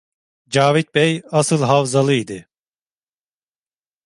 Cavit Bey asıl Havzalı idi.